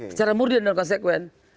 secara mudian dan konsekuen